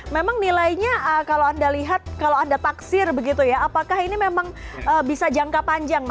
memang nilainya kalau anda lihat kalau anda taksir begitu ya apakah ini memang bisa jangka panjang